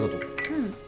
うん。